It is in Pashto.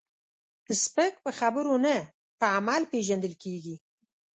سپک په خبرو نه، په عمل پیژندل کېږي.